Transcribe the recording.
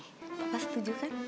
pak pas setuju kan